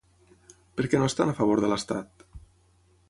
Per què no estan a favor de l'estat?